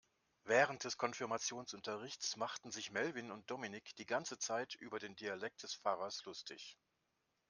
Während des Konfirmationsunterrichts machten sich Melvin und Dominik die ganze Zeit über den Dialekt des Pfarrers lustig.